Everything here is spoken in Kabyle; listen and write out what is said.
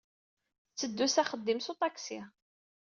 Tetteddu s axeddim s uṭaksi.